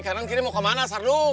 kanan kiri mau kemana sardo